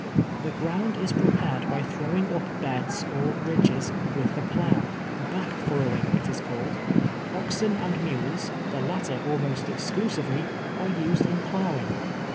The ground is prepared by throwing up beds or ridges, with the plough — back furroAving, it is called. Oxen and mules, the latter almost exclusively, are used in ploughing.